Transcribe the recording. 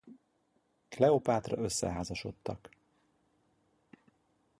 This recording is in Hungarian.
Kleopátra összeházasodtak.